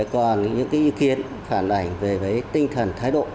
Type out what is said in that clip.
còn những ý kiến phản ảnh về tinh thần thái độ